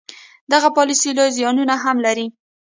دغه پالیسي لوی زیانونه هم لري.